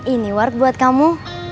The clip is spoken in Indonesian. ini ward buat kamu